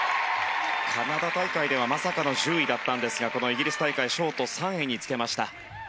カナダ大会ではまさかの１０位だったんですがこのイギリス大会ショート３位につけました。